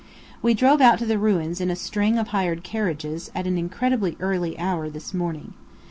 We drove out to the ruins in a string of hired carriages, at an incredibly early hour this morning.